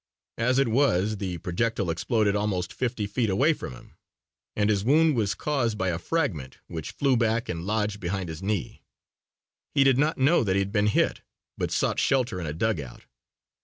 As it was the projectile exploded almost fifty feet away from him and his wound was caused by a fragment which flew back and lodged behind his knee. He did not know that he had been hit, but sought shelter in a dugout.